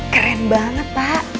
keren banget pak